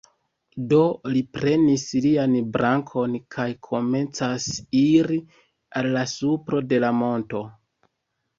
Do li prenis lian brakon kaj komencas iri al la supro de la monto.